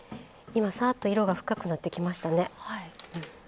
今さっと色が深くなってきましたね。